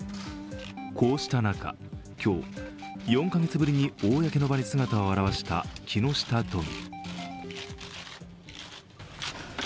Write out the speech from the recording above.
こうした中、今日４カ月ぶりに公の場に姿を現した木下都議。